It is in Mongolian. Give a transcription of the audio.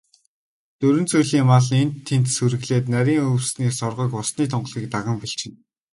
Дөрвөн зүйлийн мал энд тэнд сүрэглээд, нарийн өвсний соргог, усны тунгалгийг даган бэлчинэ.